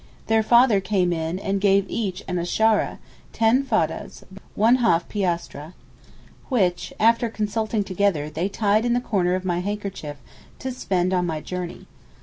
Their father came in and gave each an ashara (10 foddahs, ½ piastre) which, after consulting together, they tied in the corner of my handkerchief; 'to spend on my journey.